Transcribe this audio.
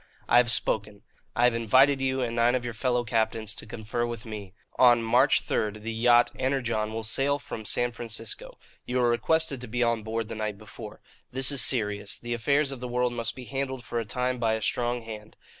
"I have spoken. I have invited you, and nine of your fellow captains, to confer with me. On March third the yacht Energon will sail from San Francisco. You are requested to be on board the night before. This is serious. The affairs of the world must be handled for a time by a strong hand.